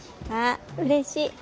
まあうれしい。